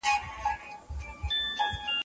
كه د هر چا نصيب خراب وي بيا هم دومره نه دی